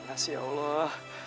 anak dan istri bapak selamar